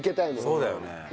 そうだよね。